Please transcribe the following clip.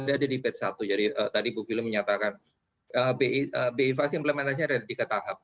ada di batch satu jadi tadi bu filim menyatakan bi fast implementasinya ada tiga tahap